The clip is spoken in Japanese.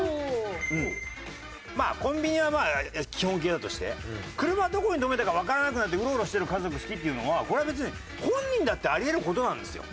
３？まあコンビニは基本形だとして「車どこに止めたかわからなくなってウロウロしてる家族好き」っていうのはこれは別に本人だってあり得る事なんですよ。